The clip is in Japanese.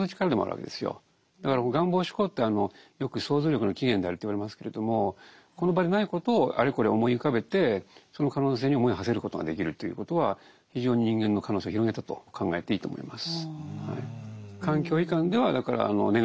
だから「願望思考」ってよく想像力の起源であると言われますけれどもこの場でないことをあれこれ思い浮かべてその可能性に思いをはせることができるということは非常に人間の可能性を広げたと考えていいと思います。